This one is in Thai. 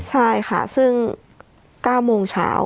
ใช่ค่ะซึ่ง๙โมงเช้า